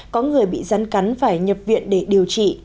có người bị rắn cắn phải nhập viện để điều trị